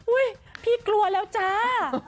อุ้ยพี่กลัวแล้วจ้า